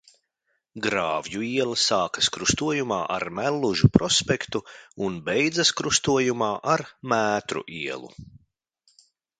Grāvju iela sākas krustojumā ar Mellužu prospektu un beidzas krustojumā ar Mētru ielu.